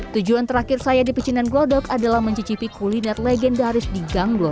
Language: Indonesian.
tujuan terakhir saya di picinan godok adalah mencicipi kuliner legendaris di gang gloria